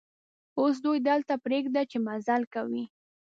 اوس دوی دلته پرېږده چې مزل کوي.